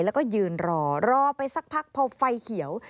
แล้วก็ยืนรอรอไปสักพักพอไฟเขียว